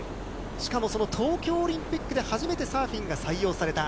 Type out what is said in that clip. しかもその東京オリンピックで初めてサーフィンが採用された。